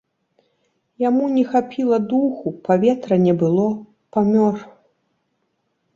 Яму не хапіла духу, паветра не было, памёр.